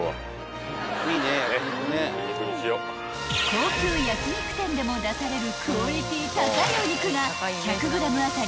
［高級焼き肉店でも出されるクオリティー高いお肉が］